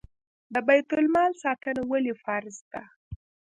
د بیت المال ساتنه ولې فرض ده؟